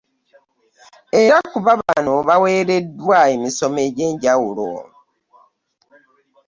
Era kuba bano baweereddwa emisomo egy'enjawulo